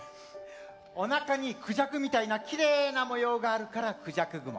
おなかにクジャクみたいなきれいな模様があるからクジャクグモ。